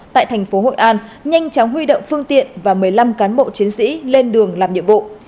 tại thành phố hội an nhanh chóng huy động phương tiện và một mươi năm cán bộ chiến sĩ lên đường làm nhiệm vụ